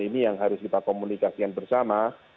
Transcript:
ini yang harus kita komunikasikan bersama